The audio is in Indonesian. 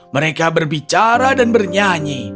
mereka berbicara dan bernyanyi